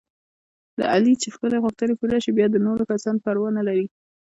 د علي چې خپلې غوښتنې پوره شي، بیا د نورو کسانو پروا نه لري.